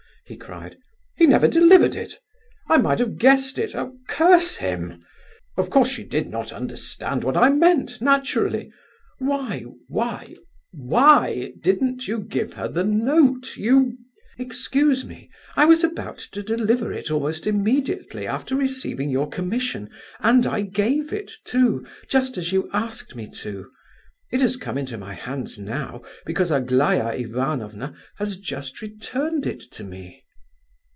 he cried. "He never delivered it! I might have guessed it, oh! curse him! Of course she did not understand what I meant, naturally! Why—why—why didn't you give her the note, you—" "Excuse me; I was able to deliver it almost immediately after receiving your commission, and I gave it, too, just as you asked me to. It has come into my hands now because Aglaya Ivanovna has just returned it to me."